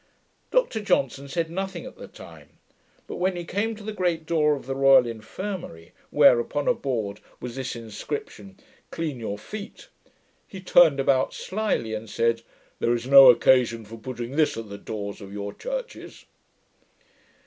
Dr Johnson said nothing at the time; but when we came to the great door of the Royal Infirmary, where, upon a board, was this inscription, CLEAN YOUR FEET! he turned about slyly, and said, 'There is no occasion for putting this at the doors of your churches!'